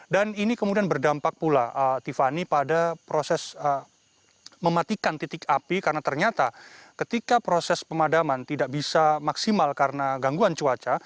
dan ini kemudian berdampak pula tifani pada proses mematikan titik api karena ternyata ketika proses pemadaman tidak bisa maksimal karena gangguan cuaca